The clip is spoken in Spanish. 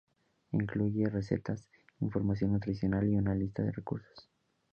Incluye recetas, información nutricional y una lista de recursos.